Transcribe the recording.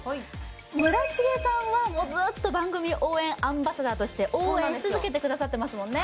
村重さんはもうずっと番組応援アンバサダーとして応援し続けてくださってますもんね